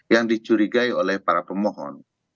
yang dicurigai oleh para pemohon